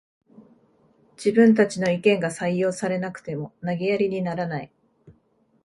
自分たちの意見が採用されなくても投げやりにならない